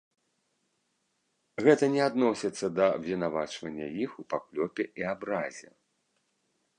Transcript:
Гэта не адносіцца да абвінавачвання іх у паклёпе і абразе.